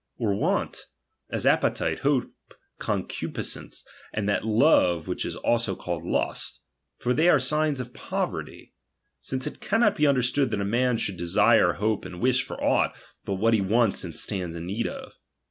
Or want ; as appc '*^e, hope, concupiscence, and that love which is a lso called lust ; for they are sigus of poverty ; since it cannot be understood that a man should ^^sire, hope, and wish for aught, but what he 'V'aiits and stands iu need of.